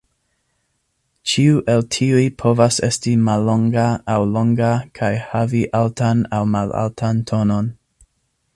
Ĉiu el tiuj povas esti mallonga aŭ longa kaj havi altan aŭ malaltan tonon.